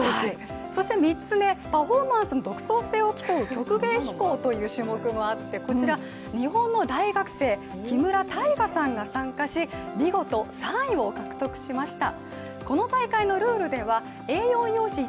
パフォーマンスの独創性を競う曲芸飛行という種目もあってこちら日本の大学生木村太伊華さんが参加し、見事３位を獲得しました。